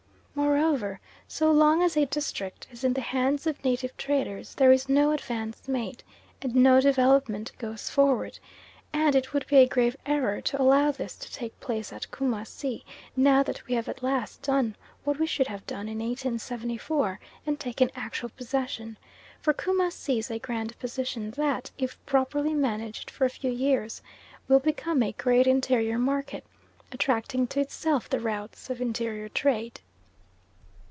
Moreover so long as a district is in the hands of native traders there is no advance made, and no development goes forward; and it would be a grave error to allow this to take place at Coomassie, now that we have at last done what we should have done in 1874 and taken actual possession, for Coomassie is a grand position that, if properly managed for a few years, will become a great interior market, attracting to itself the routes of interior trade.